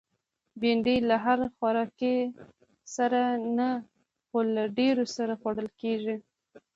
بېنډۍ له هر خوراکي سره نه، خو له ډېرو سره خوړل کېږي